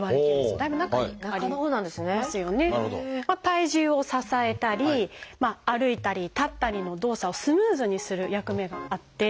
体重を支えたり歩いたり立ったりの動作をスムーズにする役目があって。